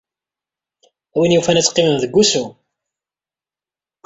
A win yufan ad teqqimem deg wusu.